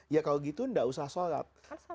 ya kalau gitu nggak usah sholat